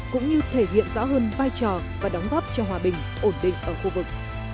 cũng như thể hiện rõ hơn vai trò và đóng góp cho hòa bình ổn định ở khu vực